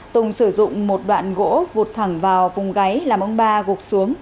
tùng sử dụng một đoạn gỗ vụt thẳng vào vùng gáy làm ông ba gục xuống